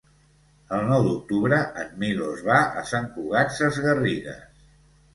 El nou d'octubre en Milos va a Sant Cugat Sesgarrigues.